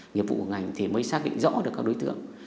nghiệp vụ của ngành thì mới xác định rõ được các đối tượng